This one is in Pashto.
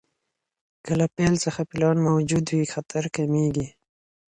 که له پیل څخه پلان موجود وي، خطر کمېږي.